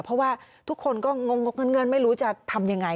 เพราะว่าทุกคนก็งงเงินไม่รู้จะทำยังไง